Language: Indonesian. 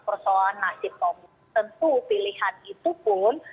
persoalan nasib kaum buruh tentu pilihan itu pun